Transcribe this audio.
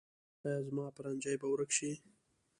ایا زما پرنجی به ورک شي؟